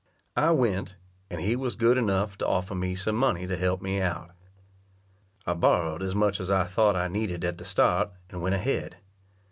I went, and he was good enough to offer me some money to help me out. I borrowed as much as I thought I needed at the start, and went ahead.